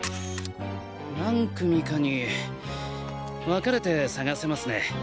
何組かに分かれて探せますね。